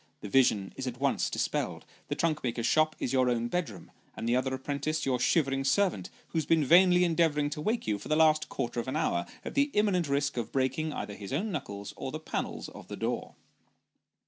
The vision is at once dis pelled ; the trunk maker's shop is your own bedroom, and the other apprentice your shivering servant, who has been vainly endeavouring to wake you for the last quarter of an hour, at the imminent risk of breaking either his own knuckles or the panels of the door.